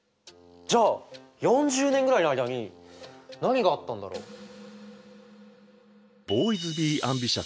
じゃあ４０年ぐらいの間に何があったんだろう？